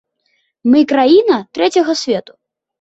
Мы краіна трэцяга свету!